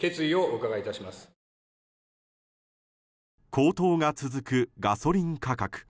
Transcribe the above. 高騰が続くガソリン価格。